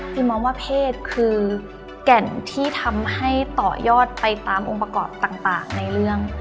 มองว่าเพศคือแก่นที่ทำให้ต่อยอดไปตามองค์ประกอบต่างในเรื่อง